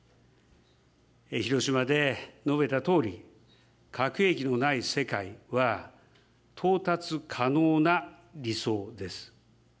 広島で述べたとおり、核兵器のない世界は到達可能な理想です。